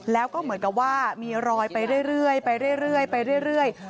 แล้วก็เหมือนกับว่ามีรอยไปเรื่อย